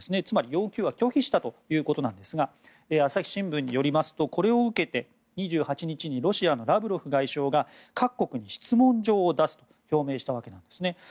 つまり、要求は拒否したということですが朝日新聞によりますとこれを受けて２８日にロシアのラブロフ外相が各国に質問状を出すと表明したわけです。